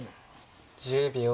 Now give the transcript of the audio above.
１０秒。